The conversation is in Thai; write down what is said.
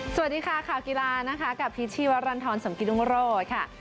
สวัสดีค่ะข่าวกีฬานะคะกับพิษชีวรรณฑรสมกิตรุงโรธค่ะ